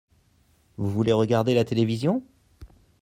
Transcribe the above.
Vous voulez regarder la télévision ?